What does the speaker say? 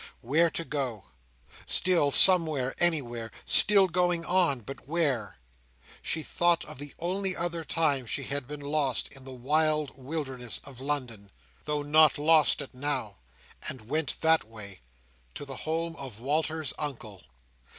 Where to go? Still somewhere, anywhere! still going on; but where! She thought of the only other time she had been lost in the wild wilderness of London—though not lost as now—and went that way. To the home of Walter's Uncle.